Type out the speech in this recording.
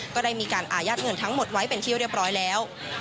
ก็ได้มีการอายัดเงินทั้งหมดไว้เป็นที่เรียบร้อยแล้ว